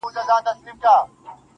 دلته له هرې ښيښې څاڅکي د باران وځي